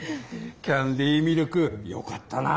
キャンディミルクよかったな。